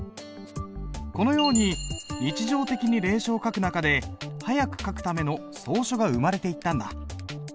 このように日常的に隷書を書く中で速く書くための草書が生まれていったんだ。